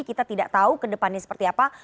kita tidak tahu ke depannya seperti apa